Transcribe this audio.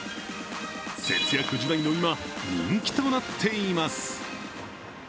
節約時代の今、人気となっています。